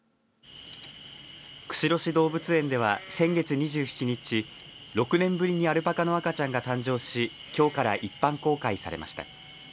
釧路市動物園では先月２７日６年ぶりにアルパカの赤ちゃんが誕生しきょうから一般公開されました。